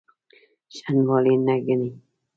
شنډوالي نه ګڼي.